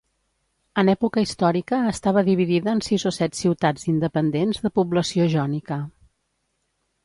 En època històrica estava dividida en sis o set ciutats independents de població jònica.